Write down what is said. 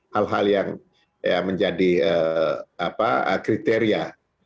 hal hal yang menjadi kriteria